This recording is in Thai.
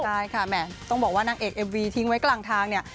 ใช่ค่ะแหม่ต้องบอกว่านางเอกเอ็มวีทิ้งไว้กลางทางเนี่ย